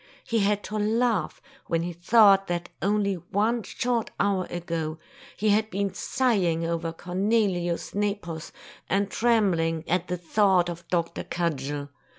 He had to laugh when he thought that only one short hour ago, he had been sighing over Cornelius Nepos, and trembling at the thought of Dr. Cudgel.